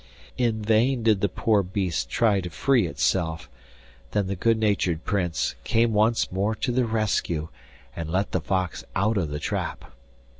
In vain did the poor beast try to free itself; then the good natured Prince came once more to the rescue, and let the fox out of the trap.